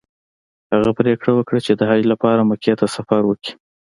هغه پریکړه وکړه چې د حج لپاره مکې ته سفر وکړي.